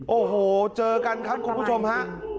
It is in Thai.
โอ้โหเจอกันครับคุณผู้ชมฮะ